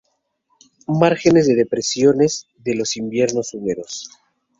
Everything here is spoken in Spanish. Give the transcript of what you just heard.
Márgenes de depresiones de los inviernos húmedos.